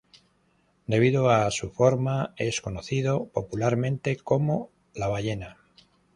Debido a su forma, es conocido popularmente como "la ballena".